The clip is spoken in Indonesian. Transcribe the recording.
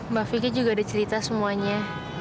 mbak vicky juga ada cerita semuanya